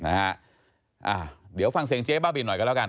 เดี๋ยวฟังเสียงเจ๊บ้าบินหน่อยกันแล้วกัน